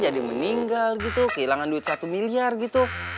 meninggal gitu kehilangan duit satu miliar gitu